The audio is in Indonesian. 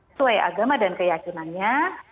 sesuai agama dan keyakinannya